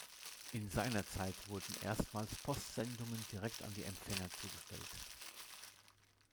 In seiner Zeit wurden erstmals Postsendungen direkt an die Empfänger zugestellt.